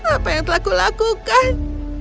apa yang telah kulakukan